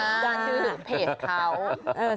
ด้านชื่อเพจเขา